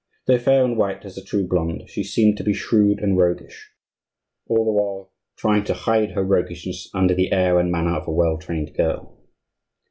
Though fair and white as a true blonde, she seemed to be shrewd and roguish, all the while trying to hide her roguishness under the air and manner of a well trained girl.